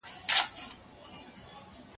ونې دغې پاڼې ته خواړه ورکړي وو.